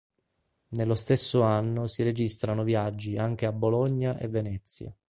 Nello stesso anno si registrano viaggi anche a Bologna e Venezia.